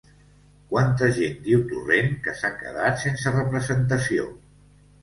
Quanta gent diu Torrent que s'ha quedat sense representació?